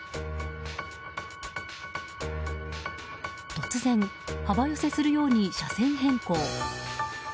突然、幅寄せするように車線変更。